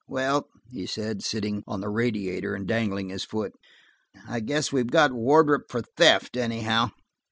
"Well," he said, sitting on the radiator and dangling his foot, "I guess we've got Wardrop for theft, anyhow."